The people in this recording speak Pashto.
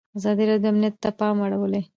ازادي راډیو د امنیت ته پام اړولی.